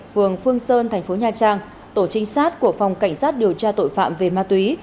phường phương sơn thành phố nha trang tổ trinh sát của phòng cảnh sát điều tra tội phạm về ma túy